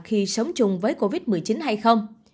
khi sống chung với covid một mươi chín hay không